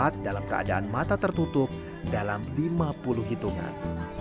saat dalam keadaan mata tertutup dalam lima puluh hitungan